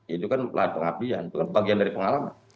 itu kan pengabdian bagian dari pengalaman